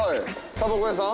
たばこ屋さん？